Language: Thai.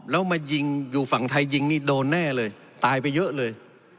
แล้วมายิงอยู่ฝั่งไทยยิงนี่โดนแน่เลยตายไปเยอะเลย